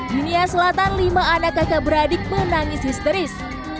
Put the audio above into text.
di nia selatan lima anak kakak beradik menangis histeris